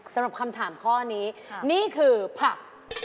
สำหรับคำถามข้อนี้นี่คือผัก